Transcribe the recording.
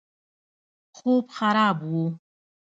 خوب خراب وو.